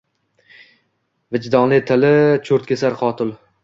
Vijdon tili choʼrtkesar, qotil